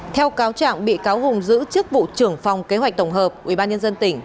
theo cáo trạng bị cáo hùng giữ chức vụ trưởng phòng kế hoạch tổng hợp ubnd tỉnh